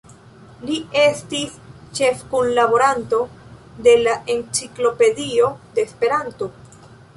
Li estis ĉefkunlaboranto de la Enciklopedio de Esperanto.